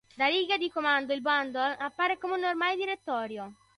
Da riga di comando il "bundle" appare come un normale direttorio.